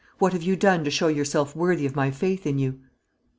What have you done to show yourself worthy of my faith in you?"